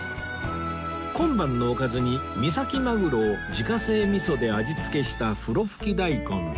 今晩のおかずに三崎マグロを自家製味噌で味付けしたふろふき大根と